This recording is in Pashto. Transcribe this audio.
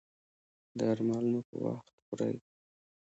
درمل مو په وخت خورئ؟